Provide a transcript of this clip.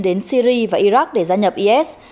đến syri và iraq để gia nhập is